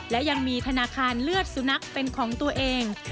และยังมีธนาคารเลือดสุนัขเป็นของตัวเอง